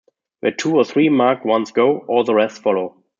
Where two or three marked ones go, all the rest follow.